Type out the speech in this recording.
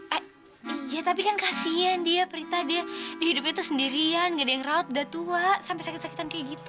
eh iya tapi kan kasihan dia prita dia dihidupnya tuh sendirian gak ada yang rawat udah tua sampai sakit sakitan kayak gitu